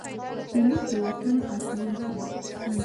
پیلوټ د وطن اسمان خوندي ساتي.